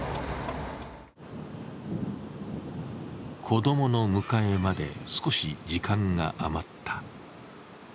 子供の迎えまで少し時間が余った。